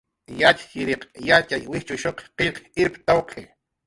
"Yatxchiriq yatxay wijchushuq qillq irptawq""i"